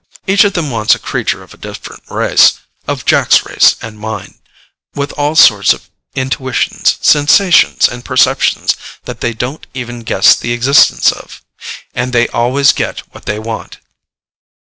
Each of them wants a creature of a different race, of Jack's race and mine, with all sorts of intuitions, sensations and perceptions that they don't even guess the existence of. And they always get what they want."